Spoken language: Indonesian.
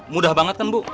mudah banget kan bu